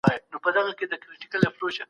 هغې مخکي لا د خلګو ستونزي حل کړي وې.